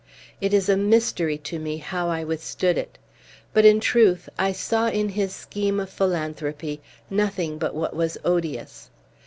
It is a mystery to me how I withstood it. But, in truth, I saw in his scheme of philanthropy nothing but what was odious.